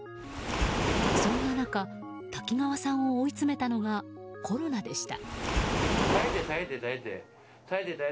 そんな中、滝川さんを追い詰めたのが、コロナでした。